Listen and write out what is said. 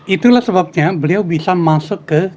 itulah sebabnya beliau bisa masuk ke